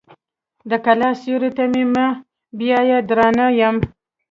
د کلا سیوري ته مې مه بیایه ډارنه یم.